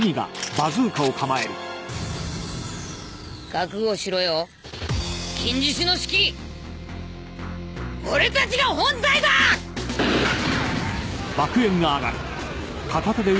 覚悟しろよ金獅子のシキ俺たちが本隊だッ！